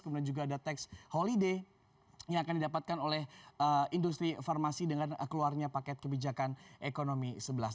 kemudian juga ada tax holiday yang akan didapatkan oleh industri farmasi dengan keluarnya paket kebijakan ekonomi sebelas